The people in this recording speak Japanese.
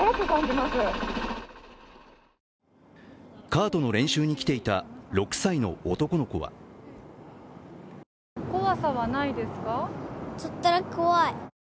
カートの練習に来ていた６歳の男の子は怖さはないですか？